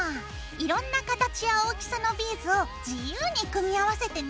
いろんな形や大きさのビーズを自由に組み合わせてね！